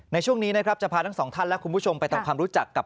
ในช่วงนี้นะครับจะพาทั้งสองท่านและคุณผู้ชมไปทำความรู้จักกับ